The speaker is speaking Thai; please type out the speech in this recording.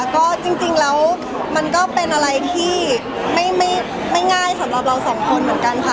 ก็จริงแล้วมันก็เป็นอะไรที่ไม่ง่ายสำหรับเราสองคนเหมือนกันค่ะ